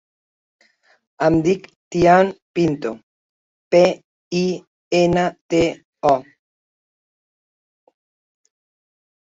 Em dic Tian Pinto: pe, i, ena, te, o.